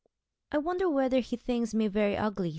'I wonder whether he thinks me very ugly?'